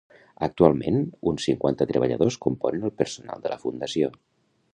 Actualment, uns cinquanta treballadors componen el personal de la fundació.